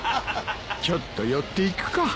ちょっと寄っていくか。